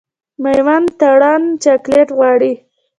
مېوند تارڼ چاکلېټ غواړي.